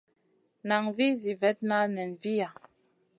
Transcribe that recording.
Nan vih zi vetna nen viya.